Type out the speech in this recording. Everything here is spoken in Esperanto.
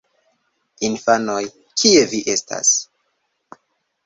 Infanoj... kie vi estas?